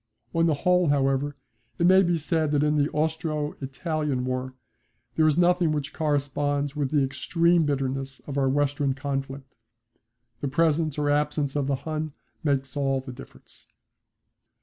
On the whole, however, it may be said that in the Austro Italian war there is nothing which corresponds with the extreme bitterness of our western conflict. The presence or absence of the Hun makes all the difference.